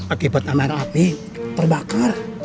akibat amaran api terbakar